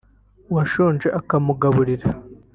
uwashonje ukamugaburira